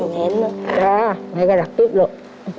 อย่างนี้ลูกมาไหนก็รักกิ๊บล่ะ